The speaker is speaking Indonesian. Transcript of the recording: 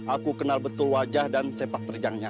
aku benar benar kenal wajah dan sepak terjangnya